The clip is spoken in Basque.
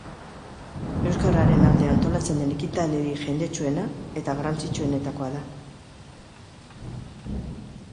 Euskararen alde antolatzen den ekitaldirik jendetsuena eta garrantzitsuenetakoa da.